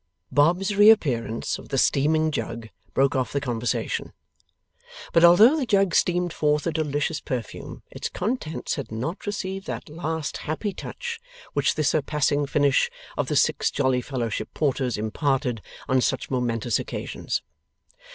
Bob's reappearance with a steaming jug broke off the conversation. But although the jug steamed forth a delicious perfume, its contents had not received that last happy touch which the surpassing finish of the Six Jolly Fellowship Porters imparted on such momentous occasions.